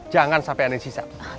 jangan sampai ada yang sisa